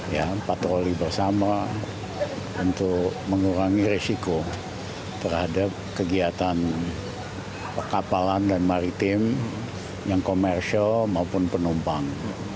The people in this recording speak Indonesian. ya patroli bersama untuk mengurangi resiko terhadap kegiatan kapalan dan maritim yang komersial maupun penumpang